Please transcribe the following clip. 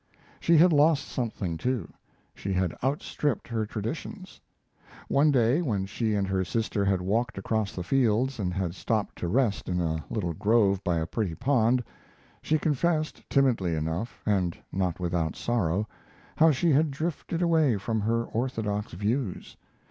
She had lost something, too; she had outstripped her traditions. One day, when she and her sister had walked across the fields, and had stopped to rest in a little grove by a pretty pond, she confessed, timidly enough and not without sorrow, how she had drifted away from her orthodox views.